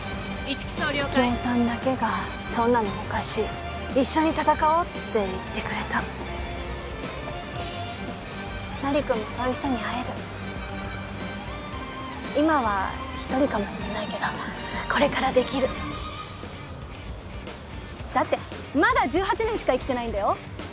１機捜了解桔梗さんだけがそんなのおかしい一緒に戦おうって言ってくれたナリ君もそういう人に会える今は一人かもしれないけどこれからできるだってまだ１８年しか生きてないんだよ